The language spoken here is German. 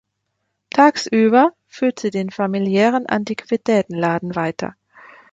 Tagsüber führt sie den familiären Antiquitätenladen weiter.